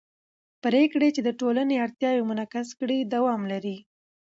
پرېکړې چې د ټولنې اړتیاوې منعکس کړي دوام لري